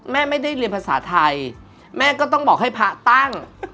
แม่ไม่ได้เรียนภาษาไทยแม่ก็ต้องบอกให้พระตั้ง